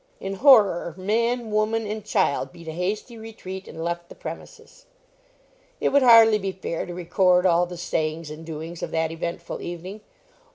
In horror, man, woman, and child beat a hasty retreat, and left the premises. It would hardly be fair to record all the sayings and doings of that eventful evening.